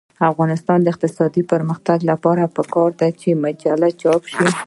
د افغانستان د اقتصادي پرمختګ لپاره پکار ده چې مجلې چاپ شي.